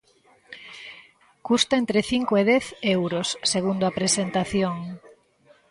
Custa entre cinco e dez euros, segundo a presentación.